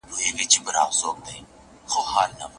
سردار محمد داود خان د ملي پوځ پیاوړتیا ته هم فکر کاوه.